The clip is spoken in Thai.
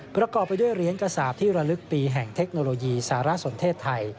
ประกอบไปด้วยเหรียญกระสาปที่ระลึกปีแห่งเทคโนโลยีสารสนเทศไทย